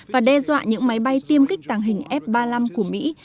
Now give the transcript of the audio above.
và đe dọa những máy bay tiêm kích tàng hình f ba mươi năm của mỹ